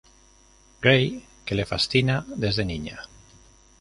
Gray, que le fascina desde niña.